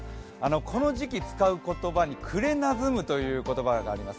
この時期使う言葉に暮れなずむという言葉があります。